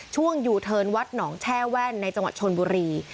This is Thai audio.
ยูเทิร์นวัดหนองแช่แว่นในจังหวัดชนบุรี